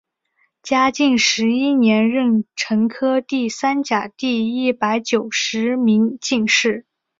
嘉靖十一年壬辰科第三甲第一百九十名进士。